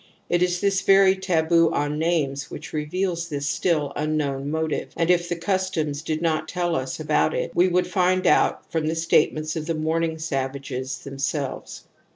It is this very taboo on names which reveals this still imknown motive, and if the customs did not tell us about it we would find it out from the statements of the mourning savages themselves.